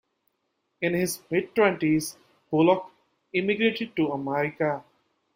In his mid-twenties, Bullock immigrated to America.